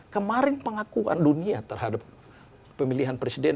kemarin pengakuan dunia terhadap pemilihan presiden